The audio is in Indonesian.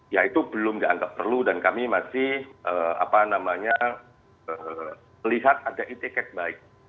ya itu belum dianggap perlu dan kami masih melihat ada etiket baik